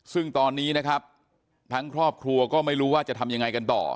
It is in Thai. ซึ่งตอนนี้นะครับทั้งครอบครัวก็ไม่รู้ว่าจะทำยังไงกันต่อ